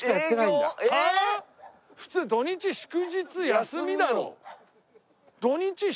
普通土日祝日休みだろ。